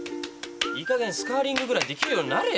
いいかげんスカーリングぐらいできるようになれよ。